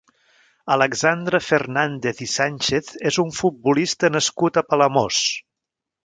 Alexandre Fernàndez i Sànchez és un futbolista nascut a Palamós.